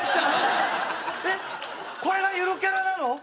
えっこれがゆるキャラなの？